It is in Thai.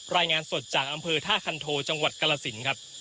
รายงานสดจากอำเภอท่าคันโทจังหวัดกรสินครับ